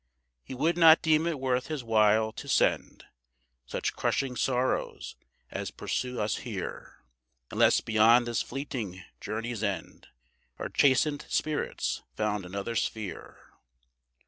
He would not deem it worth His while to send Such crushing sorrows as pursue us here, Unless beyond this fleeting journey's end Our chastened spirits found another sphere.